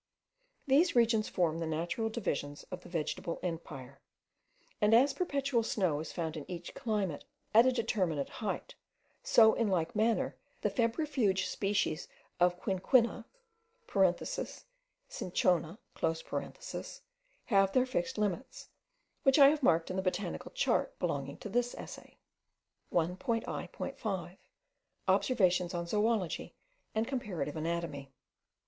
These regions form the natural divisions of the vegetable empire; and as perpetual snow is found in each climate at a determinate height, so, in like manner, the febrifuge species of the quinquina (cinchona) have their fixed limits, which I have marked in the botanical chart belonging to this essay. 1.I.5. OBSERVATIONS ON ZOOLOGY AND COMPARATIVE ANATOMY.